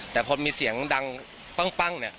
แต่พอมีเสียงดังปั้งเนี่ย